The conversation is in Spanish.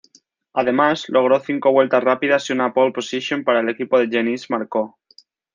Además, logró cinco vueltas rápidas y una pole-position para el equipo de Genís Marcó.